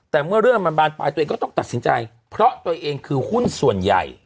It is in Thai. แต่เมื่อเรื่องมันบานปลายตัวเองก็ต้องตัดสินใจเพราะตัวเองคือหุ้นส่วนใหญ่